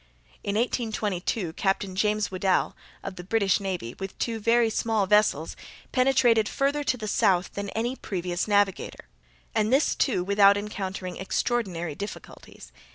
In 1822, Captain James Weddell, of the British navy, with two very small vessels, penetrated farther to the south than any previous navigator, and this, too, without encountering extraordinary difficulties.